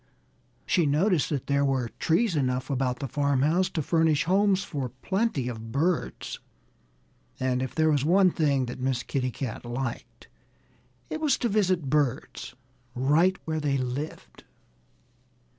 She noticed that there were trees enough about the farmhouse to furnish homes for plenty of birds. And if there was one thing that Miss Kitty Cat liked it was to visit birds right where they lived.